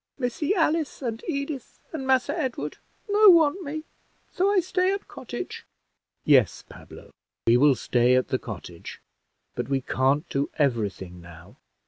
Missy Alice and Edith and Massa Edward no want me, so I stay at cottage." "Yes, Pablo, we will stay at the cottage, but we can't do every thing now.